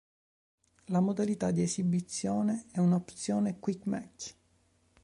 La modalità di esibizione è una opzione Quick Match.